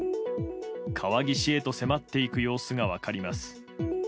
川岸へと迫っていく様子が分かります。